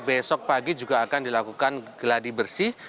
besok pagi juga akan dilakukan geladi bersih